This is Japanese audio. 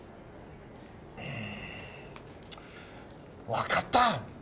わかった！